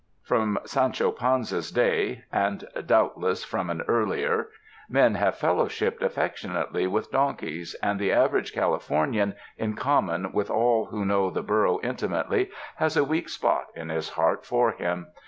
From Sancho Panza's day — and doubtless from 18 THE DESERTS an earlier — men have fellowsbiped affectionately with donkeys, and the average Californian, in com mon with all who know the burro intimately, has a weak spot in his heart for him.